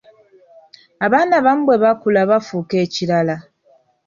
Abaana abamu bwe bakula bafuuka ekilala.